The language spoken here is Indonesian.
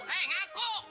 eh ngaku eh ngaku ngaku